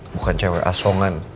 bukan cewek asongan